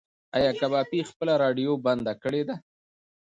ایا کبابي خپله راډیو بنده کړې ده؟